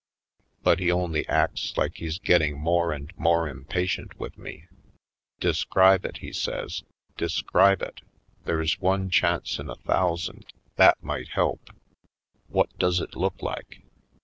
But he only acts like he's getting more and more impatient with me. "Describe it," he says, "describe it! ^There's one chance in a thousand that might help. What does it look like?"